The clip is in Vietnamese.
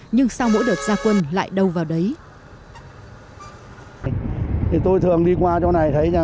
nhưng sau mỗi đợt gia quân lại đâu vào đấy